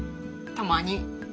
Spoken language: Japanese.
たまに。